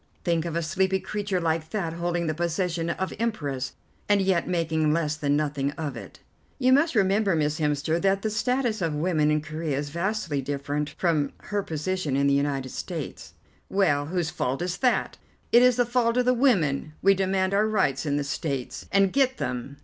Think of a sleepy creature like that holding the position of Empress, and yet making less than nothing of it." "You must remember, Miss Hemster, that the status of woman in Corea is vastly different from her position in the United States." "Well, and whose fault is that? It is the fault of the women. We demand our rights in the States, and get them.